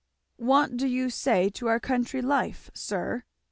"What do you say to our country life, sir?"